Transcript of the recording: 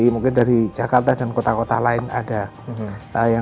mungkin dari jakarta dan kota kota lain ada